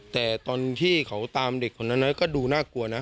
แต่ตอนที่เขาตามเด็กคนนั้นก็ดูน่ากลัวนะ